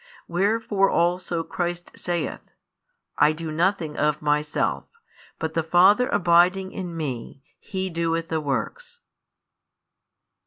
Wherefore also Christ saith: I do nothing of Myself, but the Father abiding in Me, He doeth the works.